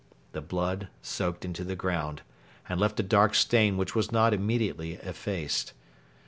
The blood soaked into the ground, and left a dark stain which was not immediately effaced.